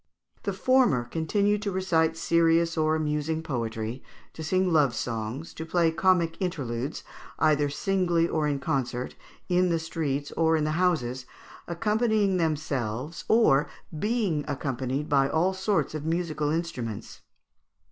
The former continued to recite serious or amusing poetry, to sing love songs, to play comic interludes, either singly or in concert, in the streets or in the houses, accompanying themselves or being accompanied by all sorts of musical instruments.